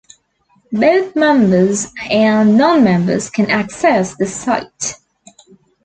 Both members and non-members can access the site.